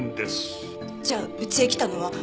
じゃあうちへ来たのは。